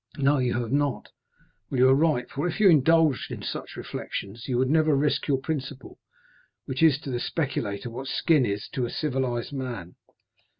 No, you have not;—well, you are right, for if you indulged in such reflections, you would never risk your principal, which is to the speculator what the skin is to civilized man.